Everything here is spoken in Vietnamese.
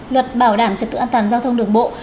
luật bảo đảm trật tự an toàn giao thông đường bộ